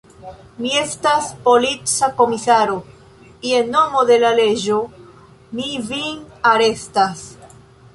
Mi estas polica komisaro: je nomo de la leĝo mi vin arestas.